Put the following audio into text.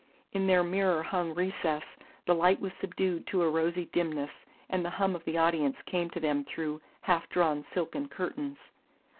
In their mirror hung recess the light was subdued to a rosy dimness and the hum of the audience came to them through half drawn silken curtains.